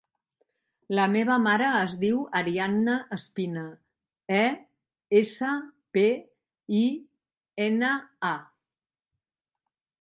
La meva mare es diu Arianna Espina: e, essa, pe, i, ena, a.